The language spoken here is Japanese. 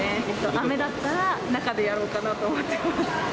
雨だったら、中でやろうかなと思ってます。